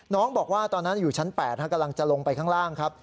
น้องบอกว่าตอนนั้นอยู่ชั้น๘กำลังจะลงไปข้างล่างครับ